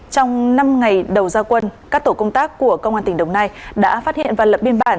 trong năm ngày đầu gia quân các tổ công tác của công an tỉnh đồng nai đã phát hiện và lập biên bản